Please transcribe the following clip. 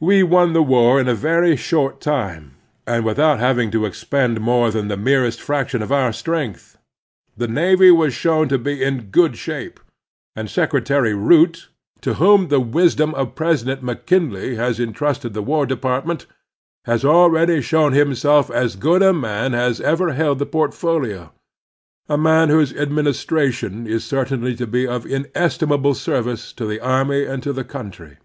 We won the war in a very short time, and with out having to expend more than the merest frac tion of our strength. The navy was shown to be in good shape ; and Secretary Root, to whom the wisdom of President McKinley has intrusted the War Department, has already shown himself as good a man as ever held the portfolio — a man whose administration is certainly to be of inesti mable service to the army and to the country.